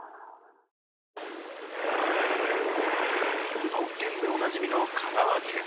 うどん県でおなじみの香川県。